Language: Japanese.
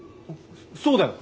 そうだよ。